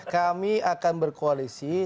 kami akan berkoalisi